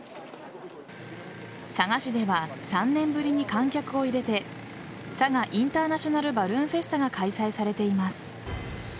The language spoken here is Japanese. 佐賀市では３年ぶりに観客を入れて佐賀インターナショナルバルーンフェスタが開催されています。